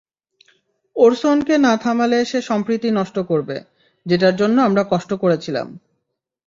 ওরসনকে না থামালে সে সম্প্রীতি নষ্ট করবে, যেটার জন্য আমরা কষ্ট করেছিলাম।